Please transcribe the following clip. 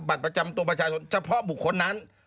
บัตรประจำตัวประชาชนเฉพาะบุคคลนั้น